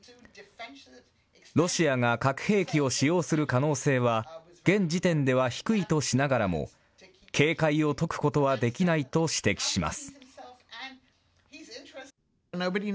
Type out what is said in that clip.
ロシアが核兵器を使用する可能性は、現時点では低いとしながらも、警戒を解くことはできないと指摘します。